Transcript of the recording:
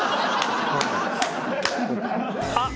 あっ！